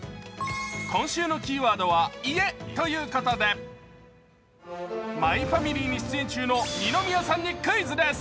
今週のキーワードは家ということで「マイファミリー」に出演中の二宮さんにクイズです。